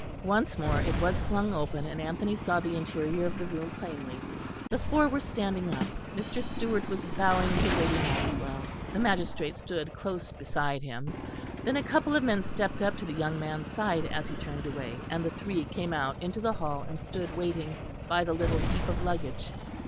Once more it was flung open, and Anthony saw the interior of the room plainly. The four were standing up, Mr. Stewart was bowing to Lady Maxwell; the magistrate stood close beside him; then a couple of men stepped up to the young man's side as he turned away, and the three came out into the hall and stood waiting by the little heap of luggage.